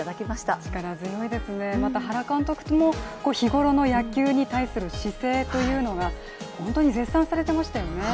力強いですね、また原監督も日頃の野球に対する姿勢というのを本当に絶賛されていましたよね。